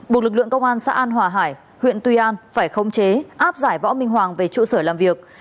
buộc lực lượng công an xã an hòa hải huyện tuy an phải khống chế áp giải võ minh hoàng về trụ sở làm việc